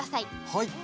はい。